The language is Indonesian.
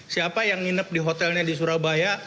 siapa yang nginep di hotelnya di surabaya